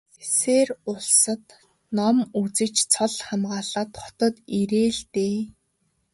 Сэсээр улсад ном үзэж цол хамгаалаад хотод ирээ л дээ.